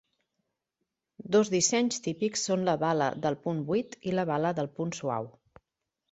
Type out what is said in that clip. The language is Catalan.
Dos dissenys típics són la bala del punt buit i la bala del punt suau.